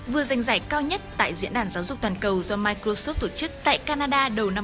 vừa giành giải cao nhất tại diễn đàn giáo dục toàn cầu do microsoft tổ chức tại canada đầu năm hai nghìn một mươi bảy